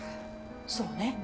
そうね。